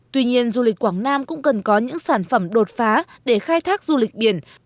tuy nhiên du lịch quảng nam cũng cần có những sản phẩm đột phá để khai thác du lịch biển